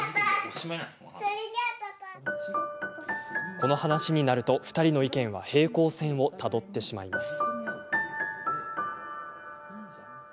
この話になると２人の意見は平行線をたどってしまいます。